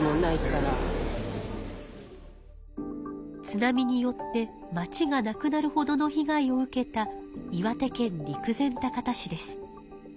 津波によって町がなくなるほどのひ害を受けた岩手県陸前高田市です。